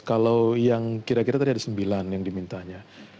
kalau yang kira kira tadi ada sembilan yang dimintanya